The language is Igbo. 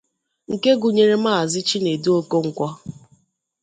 nke gụnyere Maazị Chinedu Okonkwọ